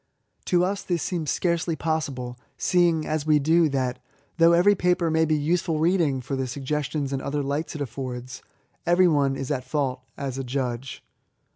To us this seems scarcely possible, seeing, as we do, that, though every paper may be useful reading for the sugges tions and other lights it affords, every one is at fault, as a judge.